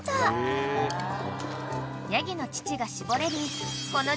［ヤギの乳が搾れる］